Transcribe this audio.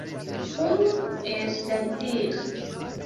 Unu el la dir.